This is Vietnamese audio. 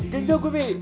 kính thưa quý vị